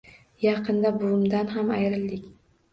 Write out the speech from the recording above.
Yaqinda buvimdan ham ayrildik